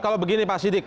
kalau begini pak siddiq